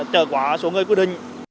trở quả số người quy định